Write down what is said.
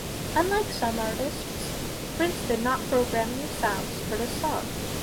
Unlike some artists, Prince did not program new sounds for this song.